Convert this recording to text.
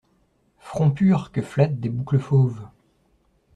Front pur que flattent des boucles fauves!